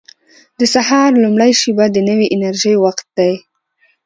• د سهار لومړۍ شېبه د نوې انرژۍ وخت دی.